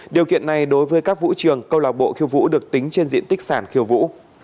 điều kiện này đối với các vũ trường câu lạc bộ khiêu vũ được tính trên diện tích sản khiêu vũ